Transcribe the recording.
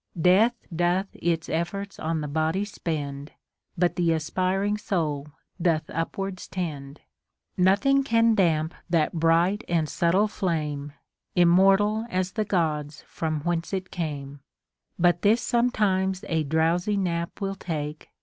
Death doth its eflbrts on the body spend ; But the aspiring soul dotli .up wards tend. Nothing can damp that bright and subtile flame, Immortal as the Gods from whence it came. But this sometimes a drowsy nap will take.